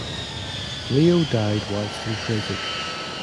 Leo died whilst in prison.